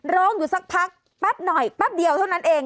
ร้องอยู่สักพักแป๊บหน่อยแป๊บเดียวเท่านั้นเอง